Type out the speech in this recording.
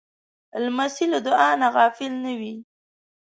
لمسی له دعا نه غافل نه وي.